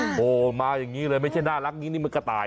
โหมาอย่างนี้เลยไม่ใช่น่ารักอย่างนี้นี่มันกระต่าย